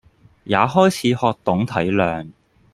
也開始學懂體諒